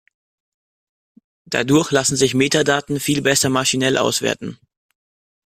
Dadurch lassen sich Metadaten viel besser maschinell auswerten.